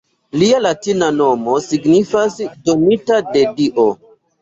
Lia latina nomo signifas “donita de dio“.